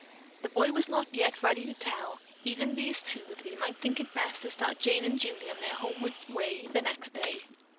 The boy was not yet ready to tell, even these two, that he might think it best to start Jane and Julie on their homeward way the next day.